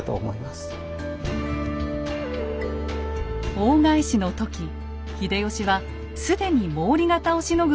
大返しの時秀吉は既に毛利方をしのぐ